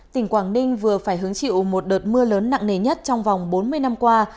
tỉnh quảng ninh vừa phải hứng chịu một đợt mưa lớn nặng nề nhất trong vòng bốn mươi năm qua